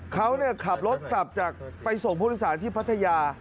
เขาขับรถกลับจากไปส่งพลศาลที่พัทยา